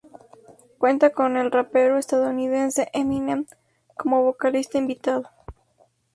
Cuenta con el rapero estadounidense Eminem, como vocalista invitado.